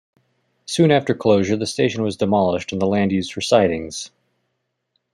Soon after closure the station was demolished and the land used for sidings.